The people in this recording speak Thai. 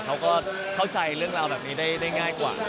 เขาก็เข้าใจเรื่องราวแบบนี้ได้ง่ายกว่า